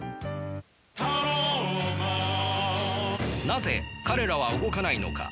なぜ彼らは動かないのか。